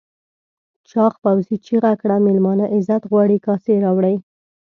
چاغ پوځي چیغه کړه مېلمانه عزت غواړي کاسې راوړئ.